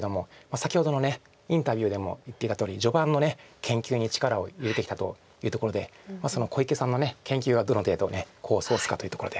先ほどのインタビューでも言っていたとおり序盤の研究に力を入れてきたというところで小池さんの研究がどの程度功を奏すかというところで。